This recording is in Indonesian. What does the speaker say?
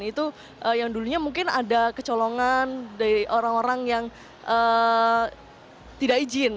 itu yang dulunya mungkin ada kecolongan dari orang orang yang tidak izin